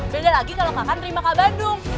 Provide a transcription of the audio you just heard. beda lagi kalau kakak terima kak bandung